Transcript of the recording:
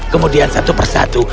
kemudian satu persatu